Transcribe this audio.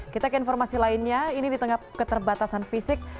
kita ke informasi lainnya ini di tengah keterbatasan fisik